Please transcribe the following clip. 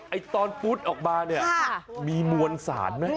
ตอนปุ๊ดออกมาเนี่ยมีมวลสารไหม